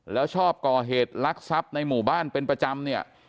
แล้วชอบก่อเหตุลักษัพในหมู่บ้านเป็นประจำเนี่ย